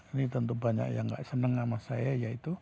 ini tentu banyak yang gak senang sama saya yaitu